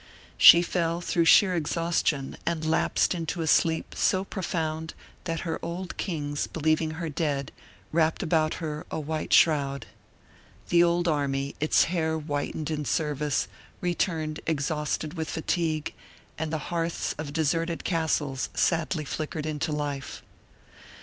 She fell through sheer exhaustion, and lapsed into a sleep so profound that her old kings, believing her dead, wrapped about her a white shroud. The old army, its hair whitened in service, returned exhausted with fatigue, and the hearths of deserted castles sadly flickered into life.